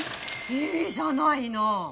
いいじゃないの！